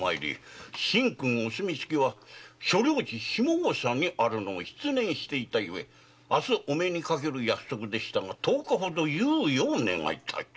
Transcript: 「神君お墨付きは所領地・下総にあるのを失念していた故明日お目にかける約束でしたが十日ほど猶予を願いたい」と。